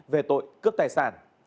về tội cướp tài sản